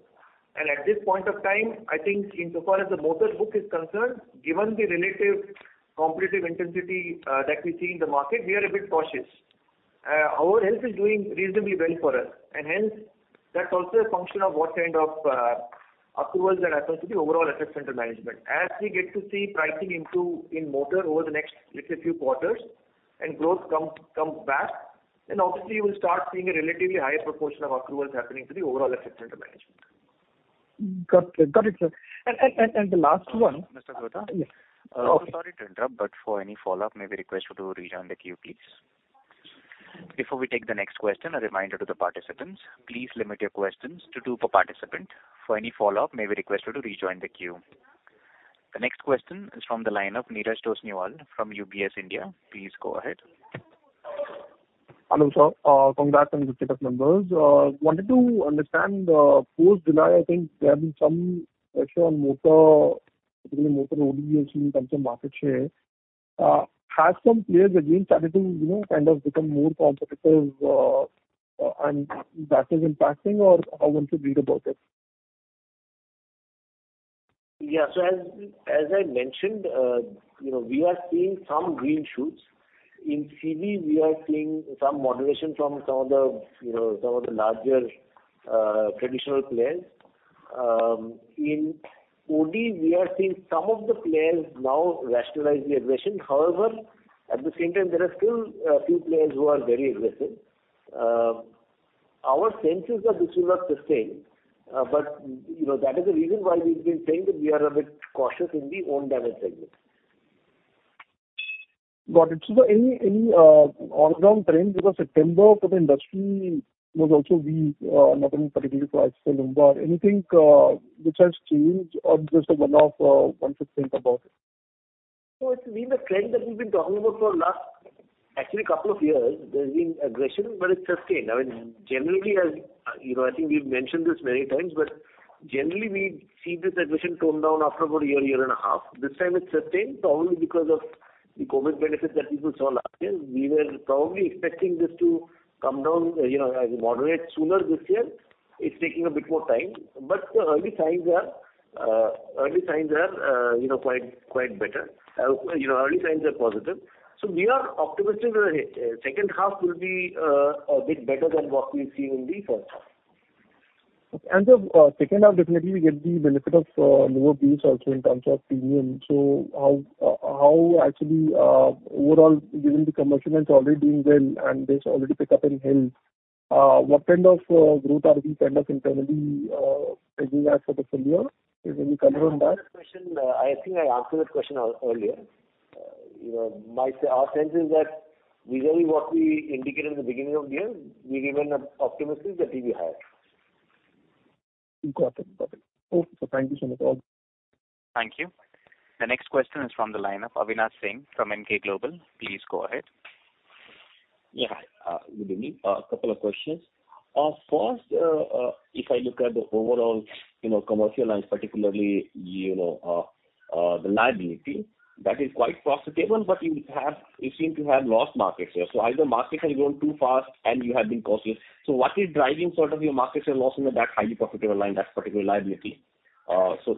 At this point of time, I think insofar as the motor book is concerned, given the relative competitive intensity that we see in the market, we are a bit cautious. However, health is doing reasonably well for us, and hence that's also a function of what kind of accruals that happens to the overall assets under management. As we get to see pricing in motor over the next, let's say, few quarters and growth come back, then obviously you will start seeing a relatively higher proportion of accruals happening to the overall assets under management. Got it. Got it, sir. The last one. Mr. Guha? Yes. Okay. Sorry to interrupt, but for any follow-up may we request you to rejoin the queue, please. Before we take the next question, a reminder to the participants, please limit your questions to two per participant. For any follow-up, may we request you to rejoin the queue. The next question is from the line of Neeraj Toshniwal from UBS India. Please go ahead. Hello, sir. Congrats on the good set of numbers. Wanted to understand, post July, I think there have been some pressure on motor, particularly motor OD has seen in terms of market share. Has some players again started to, you know, kind of become more competitive, and that is impacting or how one should read about it? As I mentioned, you know, we are seeing some green shoots. In CV we are seeing some moderation from some of the, you know, some of the larger traditional players. In OD we are seeing some of the players now rationalize the aggression. However, at the same time, there are still a few players who are very aggressive. Our sense is that this will have sustained. You know, that is the reason why we've been saying that we are a bit cautious in the Own Damage segment. Got it. Any ongoing trend, because September for the industry was also weak, not only particularly for ICICI Lombard. Anything which has changed or just a one-off, one should think about it? It's been a trend that we've been talking about for the last actually couple of years. There's been aggression, but it's sustained. I mean, generally as, you know, I think we've mentioned this many times, but generally we see this aggression tone down after about a year and a half. This time it's sustained probably because of the COVID benefits that people saw last year. We were probably expecting this to come down, you know, as we moderate sooner this year. It's taking a bit more time. The early signs are quite better. You know, early signs are positive. We are optimistic that second half will be a bit better than what we've seen in the first half. Okay. The second half definitely we get the benefit of lower base also in terms of premium. How actually overall given the commercial lines already doing well and there's already pick up in health, what kind of growth are we kind of internally hedging as for the full year? Can you comment on that? That question, I think I answered that question earlier. You know, our sense is that visually what we indicated in the beginning of the year, we remain optimistic that we'll be higher. Got it. Okay, sir. Thank you so much. Thank you. The next question is from the line of Avinash Singh from Emkay Global. Please go ahead. Yeah. Good evening. A couple of questions. First, if I look at the overall, you know, commercial lines, particularly, you know, the liability that is quite profitable, but you seem to have lost market share. Either market has grown too fast and you have been cautious. What is driving sort of your market share loss in that highly profitable line, that particular liability?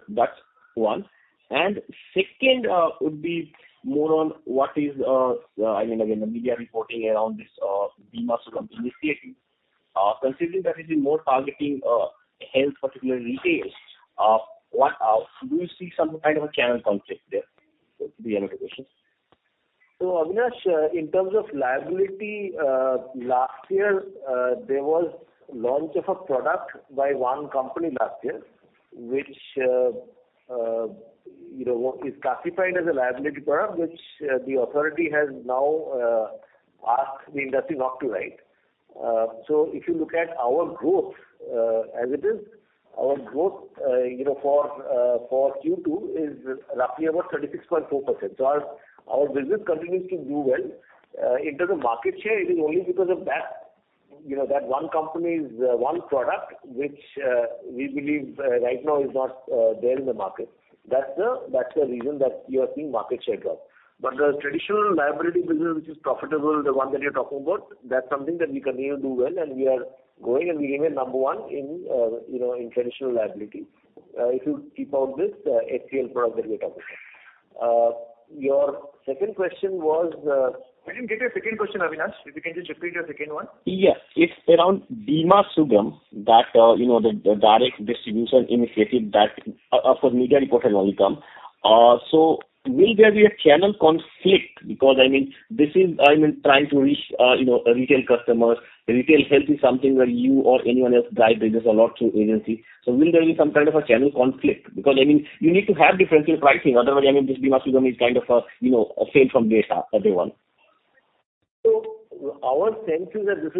That's one. Second, would be more on what is, I mean, again, the media reporting around this, Bima Sugam initiating. Considering that it is more targeting, health, particularly retail, what do you see some kind of a channel conflict there would be an implication? Avinash, in terms of liability, last year there was launch of a product by one company last year which, you know, is classified as a liability product which the authority has now asked the industry not to write. If you look at our growth, as it is, our growth you know for Q2 is roughly about 36.4%. Our business continues to do well. It doesn't market share. It is only because of that, you know, that one company's one product which we believe right now is not there in the market. That's the reason that you are seeing market share drop. The traditional liability business which is profitable, the one that you're talking about, that's something that we continue to do well and we are growing and we remain number one in, you know, in traditional liability. If you keep out this, HCL product that we're talking about. Your second question was, I didn't get your second question, Avinash. If you can just repeat your second one. Yes. It's around Bima Sugam that, you know, the direct distribution initiative that, of course media report has only come. So will there be a channel conflict? Because I mean, this is, I mean, trying to reach, you know, retail customers. Retail health is something where you or anyone else drive business a lot through agency. So will there be some kind of a channel conflict? Because, I mean, you need to have differential pricing, otherwise, I mean, this Bima Sugam is kind of a, you know, a fail from day one. Our sense is that this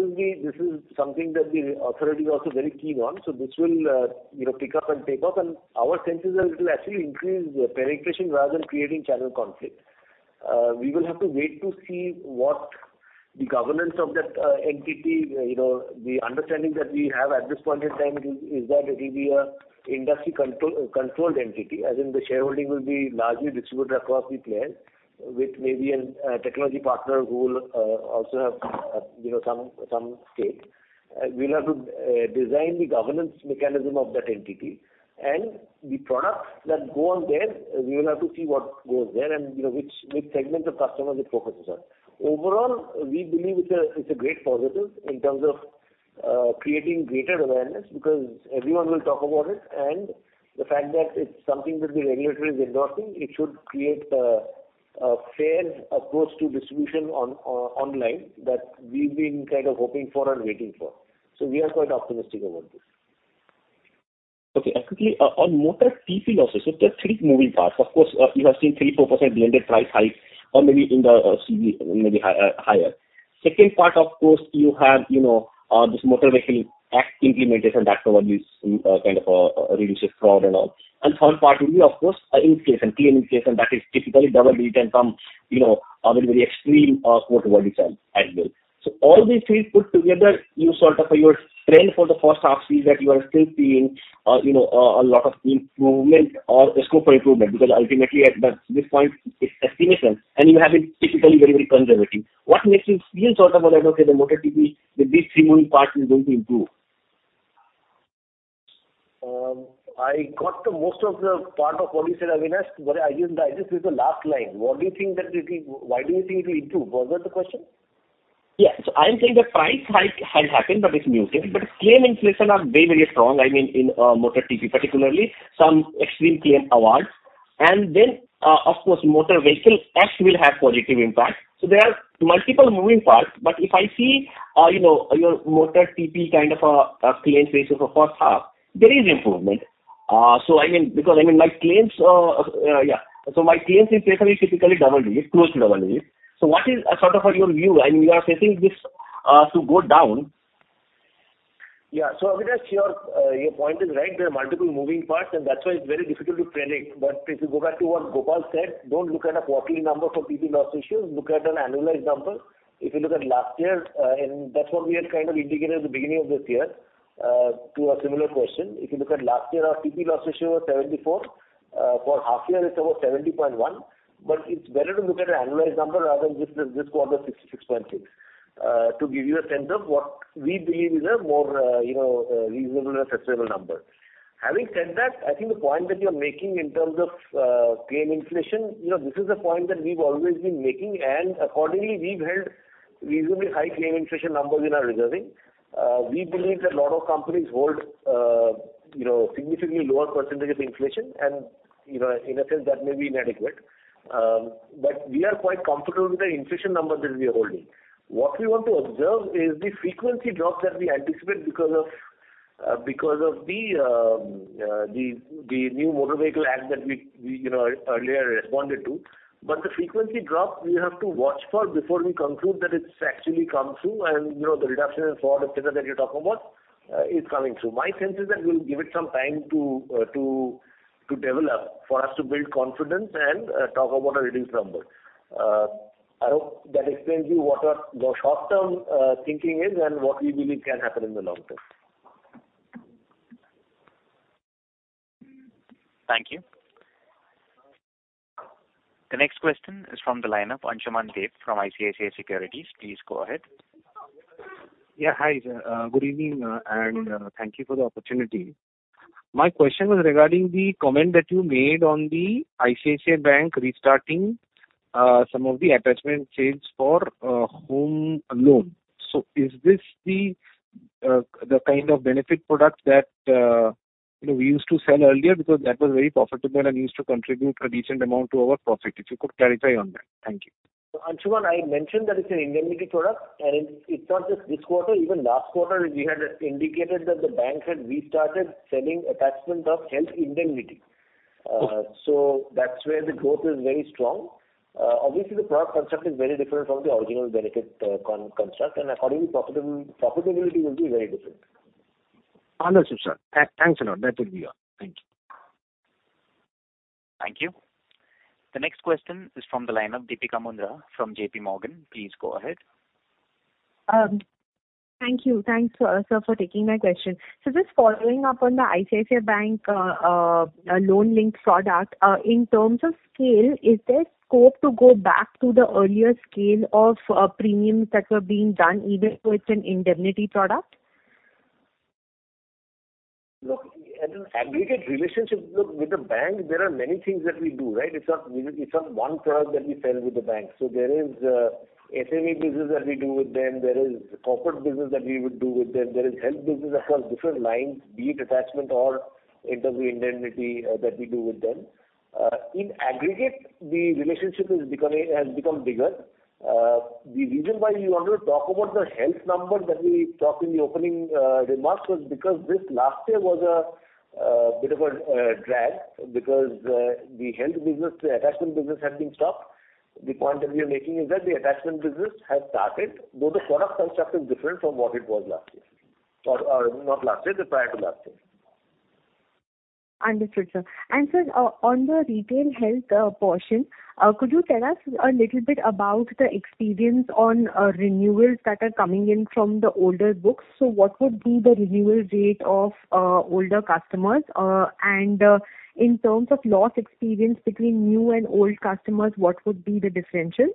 is something that the authority is also very keen on, so this will, you know, pick up and take off. Our sense is that it will actually increase penetration rather than creating channel conflict. We will have to wait to see what the governance of that entity is, you know, the understanding that we have at this point in time is that it will be an industry controlled entity, as in the shareholding will be largely distributed across the players with maybe a technology partner who will also have, you know, some stake. We'll have to design the governance mechanism of that entity and the products that go on there, we will have to see what goes there and, you know, which segment of customers it focuses on. Overall, we believe it's a great positive in terms of creating greater awareness because everyone will talk about it and the fact that it's something that the regulator is endorsing, it should create a fair approach to distribution online that we've been kind of hoping for and waiting for. We are quite optimistic about this. Okay. Quickly, on motor TP losses, there are three moving parts. Of course, you have seen 3-4% blended price hike or maybe in the CV maybe higher. Second part, of course, you have, you know, this Motor Vehicles Act implementation that covers this, kind of, reduced fraud and all. Third part will be of course, inflation, claim inflation that is typically double digit and some, you know, very extreme, quote unquote results as well. All these three put together, you sort of your trend for the first half sees that you are still seeing, you know, a lot of improvement or the scope for improvement because ultimately at this point it's estimation and you have it typically very conservative. What makes you feel sort of about, okay, the motor TP with these three moving parts is going to improve? I got most of the part of what you said, Avinash, but I just missed the last line. Why do you think it will improve? Was that the question? Yeah. I'm saying the price hike has happened, but it's muted. Claim inflation are very, very strong. I mean, in motor TP, particularly some extreme claim awards. And then, of course, Motor Vehicles Act will have positive impact. There are multiple moving parts. If I see your motor TP kind of a claim ratio for first half, there is improvement. I mean, because my claims. My claims inflation is typically double digit, close to double digit. What is sort of your view and you are expecting this to go down? Yeah. Avinash, your point is right. There are multiple moving parts, and that's why it's very difficult to predict. If you go back to what Gopal said, don't look at a quarterly number for TP loss ratio, look at an annualized number. If you look at last year, and that's what we had kind of indicated at the beginning of this year, to a similar question. If you look at last year, our TP loss ratio was 74%. For half year it's about 70.1%. It's better to look at an annualized number rather than just this quarter 66.6%, to give you a sense of what we believe is a more, you know, reasonable and a sustainable number. Having said that, I think the point that you're making in terms of claim inflation, you know, this is a point that we've always been making, and accordingly, we've held reasonably high claim inflation numbers in our reserving. We believe that a lot of companies hold, you know, significantly lower percentage of inflation and, you know, in a sense that may be inadequate. We are quite comfortable with the inflation number that we are holding. What we want to observe is the frequency drop that we anticipate because of the new Motor Vehicles Act that we earlier responded to. The frequency drop we have to watch for before we conclude that it's actually come through and, you know, the reduction in fraud etcetera that you're talking about is coming through. My sense is that we'll give it some time to develop for us to build confidence and talk about a reduced number. I hope that explains you what our short-term thinking is and what we believe can happen in the long term. Thank you. The next question is from the lineup, Ansuman Deb from ICICI Securities. Please go ahead. Yeah. Hi, good evening, and thank you for the opportunity. My question was regarding the comment that you made on the ICICI Bank restarting some of the attachment sales for home loan. Is this the kind of benefit product that you know we used to sell earlier because that was very profitable and used to contribute a decent amount to our profit? If you could clarify on that. Thank you. Ansuman, I mentioned that it's an indemnity product and it's not just this quarter, even last quarter we had indicated that the bank had restarted selling attachment of health indemnity. So that's where the growth is very strong. Obviously the product construct is very different from the original Benecare construct and accordingly profitability will be very different. Understood, sir. Thanks a lot. That will be all. Thank you. Thank you. The next question is from the line of Deepika Mundra from JPMorgan. Please go ahead. Thank you. Thanks, sir, for taking my question. Just following up on the ICICI Bank loan link product, in terms of scale, is there scope to go back to the earlier scale of premiums that were being done even though it's an indemnity product? Look, as an aggregate relationship with the bank there are many things that we do, right? It's not one product that we sell with the bank. There is SME business that we do with them, there is corporate business that we would do with them, there is health business across different lines, be it attachment or in terms of indemnity, that we do with them. In aggregate, the relationship has become bigger. The reason why we wanted to talk about the health number that we talked in the opening remarks was because this last year was a bit of a drag because the health business, the attachment business had been stopped. The point that we are making is that the attachment business has started, though the product construct is different from what it was last year. Or, not last year, but prior to last year. Understood, sir. Sir, on the retail health portion, could you tell us a little bit about the experience on renewals that are coming in from the older books? What would be the renewal rate of older customers? In terms of loss experience between new and old customers, what would be the differential?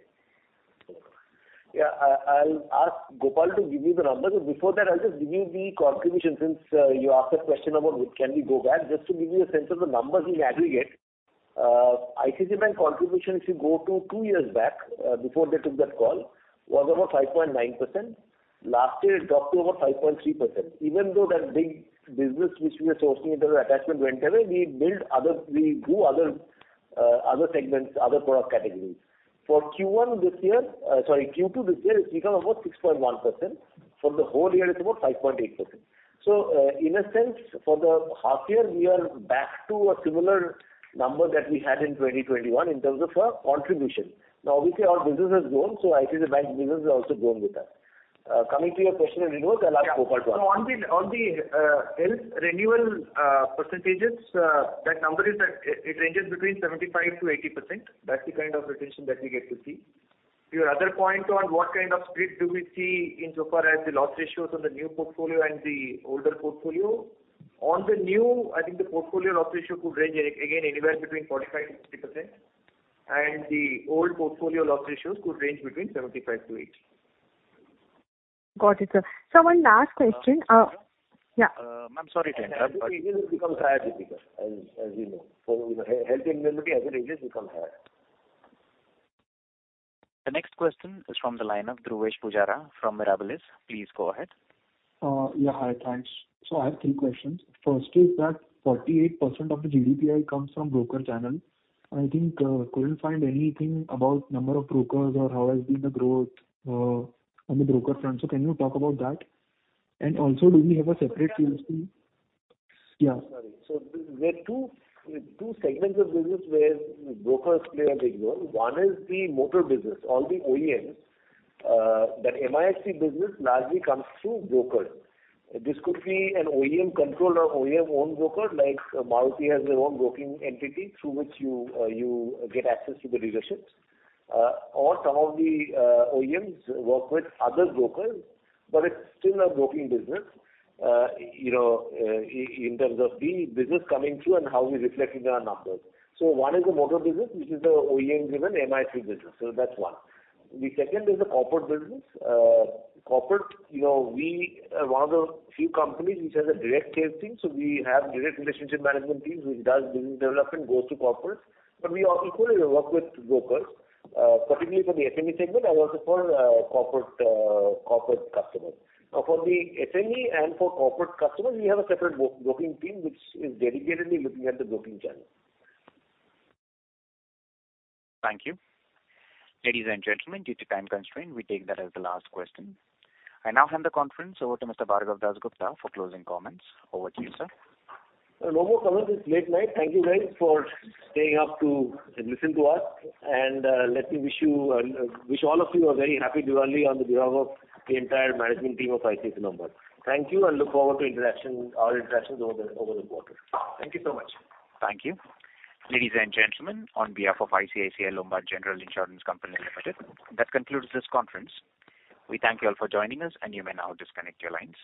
I'll ask Gopal to give you the numbers, but before that I'll just give you the contribution since you asked a question about which we can go back. Just to give you a sense of the numbers in aggregate, ICICI Bank contribution if you go to two years back, before they took that call, was about 5.9%. Last year it dropped to about 5.3%. Even though that big business which we were sourcing in terms of attachment went away, we built other. We do other segments, other product categories. For Q1 this year, sorry, Q2 this year, it's become about 6.1%. For the whole year it's about 5.8%. In a sense, for the half year, we are back to a similar number that we had in 2021 in terms of contribution. Now obviously our business has grown, so ICICI Bank business has also grown with that. Coming to your question on renewals, I'll ask Gopal to answer. Yeah. On the health renewal percentages, that number ranges between 75%-80%. That's the kind of retention that we get to see. To your other point on what kind of split do we see insofar as the loss ratios on the new portfolio and the older portfolio, on the new I think the portfolio loss ratio could range again anywhere between 45%-50%, and the old portfolio loss ratios could range between 75%-80%. Got it, sir. One last question. Ma'am. Yeah. Ma'am, sorry to interrupt. The ages becomes higher, Deepika, as you know. You know, health indemnity as the ages become higher. The next question is from the line of Dhruvesh Sanghvi from Mirabilis Investment Trust. Please go ahead. I have three questions. First is that 48% of the GDPI comes from broker channel. I think, couldn't find anything about number of brokers or how has been the growth, on the broker front. Can you talk about that? Also do we have a separate team? Sorry. Yeah. Sorry. There are two segments of business where brokers play a big role. One is the motor business. All the OEMs, that MIC business largely comes through brokers. This could be an OEM controlled or OEM owned broker, like Maruti has their own broking entity through which you get access to the dealerships. Or some of the OEMs work with other brokers, but it is still a broking business, you know, in terms of the business coming through and how we reflect it in our numbers. One is the motor business, which is the OEM driven MIC business. That is one. The second is the corporate business. Corporate, you know, we are one of the few companies which has a direct sales team. We have direct relationship management teams which does business development, goes to corporate. We equally work with brokers, particularly for the SME segment and also for corporate customers. Now for the SME and for corporate customers, we have a separate broking team which is dedicatedly looking at the broking channel. Thank you. Ladies and gentlemen, due to time constraint, we take that as the last question. I now hand the conference over to Mr. Bhargav Dasgupta for closing comments. Over to you, sir. No more comments. It's late night. Thank you guys for staying up to listen to us. Let me wish all of you a very happy Diwali on behalf of the entire management team of ICICI Lombard. Thank you, and look forward to interaction, our interactions over the quarter. Thank you so much. Thank you. Ladies and gentlemen, on behalf of ICICI Lombard General Insurance Company Limited, that concludes this conference. We thank you all for joining us, and you may now disconnect your lines.